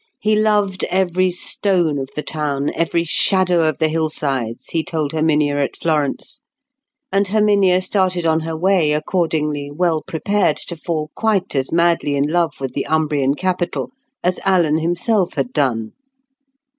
He loved every stone of the town, every shadow of the hillsides, he told Herminia at Florence; and Herminia started on her way accordingly well prepared to fall quite as madly in love with the Umbrian capital as Alan himself had done.